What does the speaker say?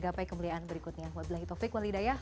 gapai kemuliaan berikutnya wa bilahi taufiq wa li dayah